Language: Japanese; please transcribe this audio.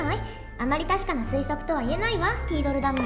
あまり確かな推測とはいえないわティードルダム。